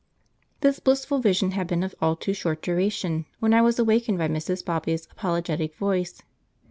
This blissful vision had been of all too short duration when I was awakened by Mrs. Bobby's apologetic voice.